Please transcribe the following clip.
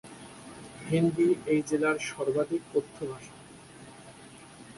হিন্দি এই জেলার সর্বাধিক কথ্য ভাষা।